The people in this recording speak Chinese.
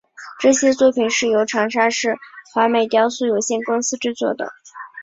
这些作品是由长沙市华美雕塑有限公司制作的。